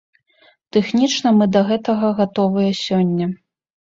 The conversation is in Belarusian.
Тэхнічна мы да гэтага гатовыя сёння.